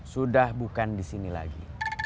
sudah bukan disini lagi